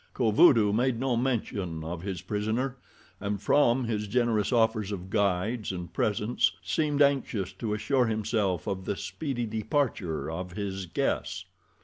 Kovudoo made no mention of his prisoner and from his generous offers of guides and presents seemed anxious to assure himself of the speedy departure of his guests.